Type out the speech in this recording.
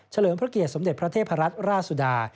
เลิมพระเกียรติสมเด็จพระเทพรัตนราชสุดา